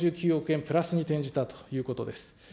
プラスに転じたということです。